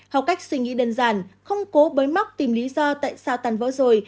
học cách suy nghĩ đơn giản không cố bới móc tìm lý do tại sao tan vỡ rồi